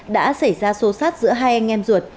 đã xảy ra xô xát giữa hai anh em ruột